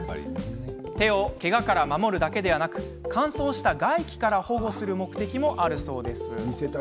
手をけがから守るだけではなくて乾燥した外気から保護する目的もあるんだそうです。